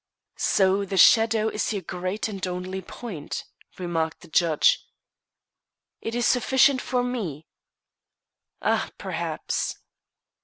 "So the shadow is your great and only point," remarked the judge. "It is sufficient for me." "Ah, perhaps."